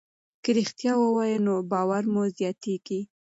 که رښتیا ووایو نو باور مو زیاتېږي.